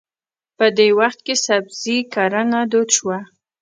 په دې وخت کې سبزي کرنه دود شوه.